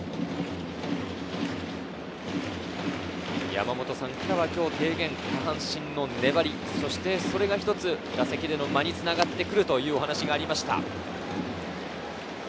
山本さんからは下半身の粘り、そしてそれが一つ打席での間につながってくるというお話がありました。